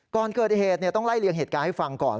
ก่อนเกิดเหตุต้องไล่เลี่ยงเหตุการณ์ให้ฟังก่อน